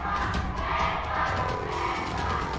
เฮ่ยค่ะ